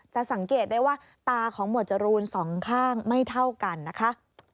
สังเกตได้ว่าตาของหมวดจรูนสองข้างไม่เท่ากันนะคะ